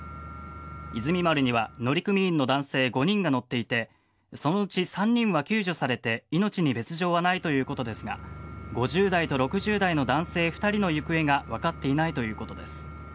「いずみ丸」には乗組員の男性５人が乗っていてそのうち３人は救助されて命に別条はないということですが５０代と６０代の男性２人が行方が分かっていないということです。